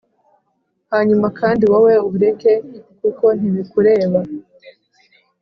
hanyuma kandi wowe ubireke kuko ntibikureba,